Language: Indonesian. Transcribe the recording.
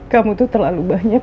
kamu tuh terlalu banyak